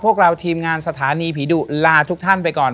พวกเราทีมงานสถานีผีดุลาทุกท่านไปก่อน